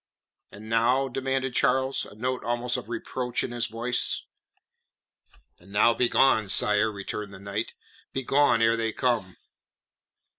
"And now?" demanded Charles, a note almost of reproach in his voice. "And now begone, sire," returned the knight. "Begone ere they come."